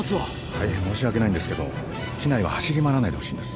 大変申し訳ないんですけど機内は走り回らないでほしいんです。